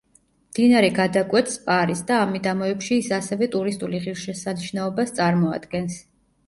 მდინარე გადაკვეთს პარიზს და ამ მიდამოებში ის ასევე ტურისტული ღირსშესანიშნაობას წარმოადგენს.